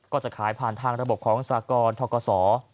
ก็จะขายผ่านทางระบบของสากรทกศ